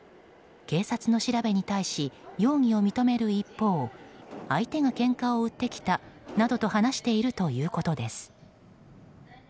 警察の調べに対し容疑を認める一方相手がけんかを売ってきたなどと話しているということです。